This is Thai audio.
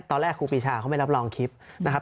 ครูปีชาเขาไม่รับรองคลิปนะครับ